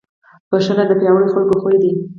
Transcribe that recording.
بښنه د پیاوړو خلکو خوی دی.